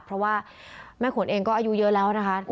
เพราะว่าแม่ขนเองก็อายุเยอะแล้วนะคะ